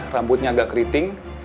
rambutnya agak keriting